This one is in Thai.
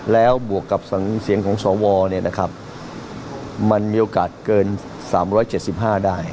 แล้วบวกกับเสียงของสวมันมีโอกาสเกิน๓๗๕ได้